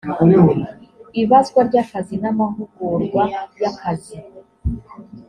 ibazwa ry akazi n amahugurwa y akazi